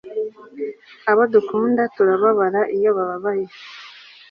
Abo dukunda turababara iyo bababaye